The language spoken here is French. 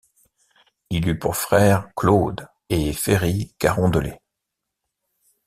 Il eut pour frère Claude et Ferry Carondelet.